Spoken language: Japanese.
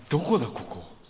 ここ。